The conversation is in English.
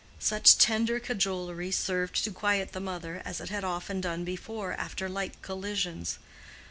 Such tender cajolery served to quiet the mother, as it had often done before after like collisions.